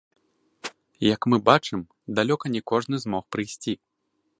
Як мы бачым, далёка не кожны змог прыйсці.